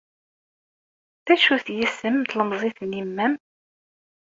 D acu-t yisem n tlemẓit n yemma-m?